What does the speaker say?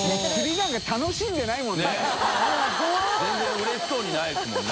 うれしそうにないですもんね。